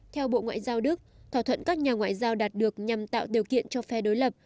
theo bộ ngoại giao đức thỏa thuận các nhà ngoại giao đạt được nhằm tạo điều kiện cho phe đối lập